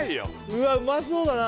うわっうまそうだな